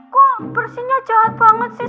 kok bersihnya jahat banget sih